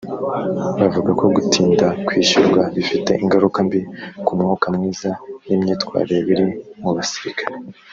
Bavuga ko gutinda kwishyurwa bifite ingaruka mbi ku mwuka mwiza n’imyitwarire biri mu basirikare